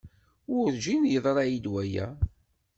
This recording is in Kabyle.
Werjin yeḍra-iyi-d waya.